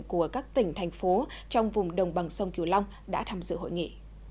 của các tỉnh thành phố trong vùng đồng bằng sông kiều long đã tham dự hội nghị